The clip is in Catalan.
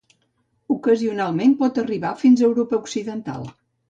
Ocasionalment pot arribar fins a Europa Occidental.